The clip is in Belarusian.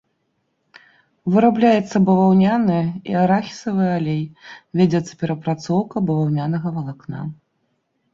Вырабляецца баваўняны і арахісавы алей, вядзецца перапрацоўка баваўнянага валакна.